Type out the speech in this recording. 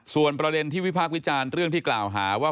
ส่วนประเด็นที่วิพากษ์วิจารณ์เรื่องที่กล่าวหาว่า